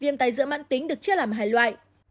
viêm tai dữa mạng tính được chia làm hai loại